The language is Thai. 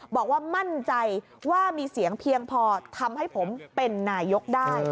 บอกว่ามั่นใจว่ามีเสียงเพียงพอทำให้ผมเป็นนายกได้